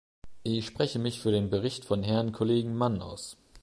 Ich spreche mich für den Bericht von Herrn Kollegen Mann aus.